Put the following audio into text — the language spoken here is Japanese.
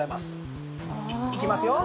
いきますよ。